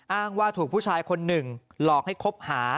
อ้างว่าถูกผู้ชายคนหนึ่งหลอกให้คบหา